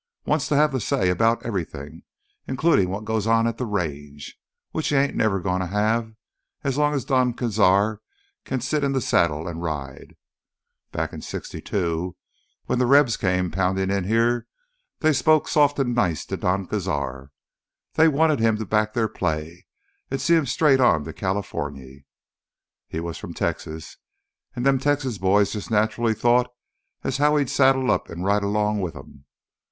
Wants to have th' say 'bout everything—includin' wot goes on at th' Range—which he ain't never goin' t' have as long as Don Cazar kin sit th' saddle an' ride. Back in '62 when th' Rebs came poundin' in here, they spoke soft an' nice to Don Cazar. They wanted him to back their play an' see 'em straight on to Californy. He was from Texas an' them Texas boys jus' naturally thought as how he'd saddle up an' ride right 'long wi' 'em.